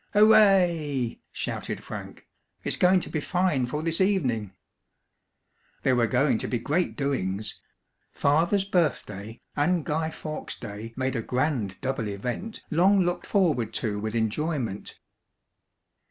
"Hooray!" shouted Frank. "It's going to be fine for this evening!" There were going to be great doings. Father's birthday and Guy Fawkes' Day made a grand double event long looked forward to with enjoyment.